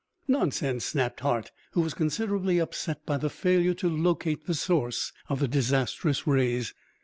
"Nonsense!" snapped Hart, who was considerably upset by the failure to locate the source of the disastrous rays.